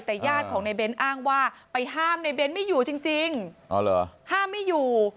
แต่ญาติของในเบ้นอ้างว่าไปห้ามในเบ้นไม่อยู่จริงห้ามไม่อยู่